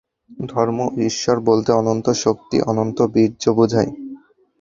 ধর্ম ও ঈশ্বর বলতে অনন্ত শক্তি, অনন্ত বীর্য বুঝায়।